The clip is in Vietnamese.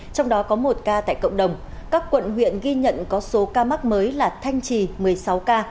trong đó có một ca tại cộng đồng các quận huyện ghi nhận có số ca mắc mới là thanh trì một mươi sáu ca